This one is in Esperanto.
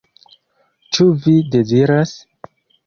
Ĉu vi deziras?